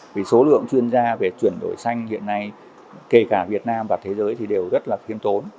vì số lượng chuyên gia về chuyển đổi xanh hiện nay kể cả việt nam và thế giới thì đều rất là khiêm tốn